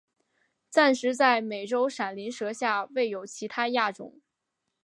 暂时在美洲闪鳞蛇下未有其它亚种。